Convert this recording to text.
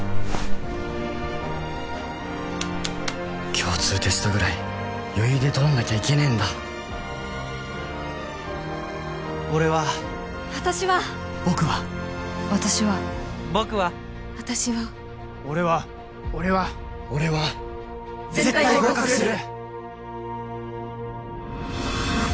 共通テストぐらい余裕で通んなきゃいけねえんだ俺は私は僕は私は僕は私は俺は俺は俺は絶対合格する！